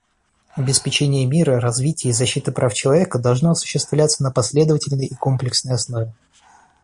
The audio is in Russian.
Обеспечение мира, развития и защиты прав человека должно осуществляться на последовательной и комплексной основе.